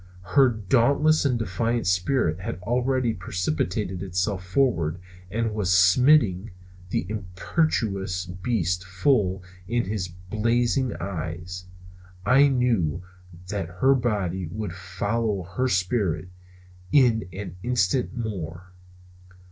Her dauntless and defiant spirit had already precipitated itself forward and was smiting the imperious beast full in his blazing eyes. I knew that her body would follow her spirit in an instant more.